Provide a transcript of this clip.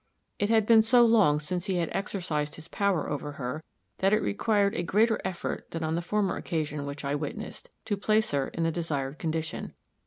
It had been so long since he had exercised his power over her, that it required a greater effort than on the former occasion which I witnessed, to place her in the desired condition.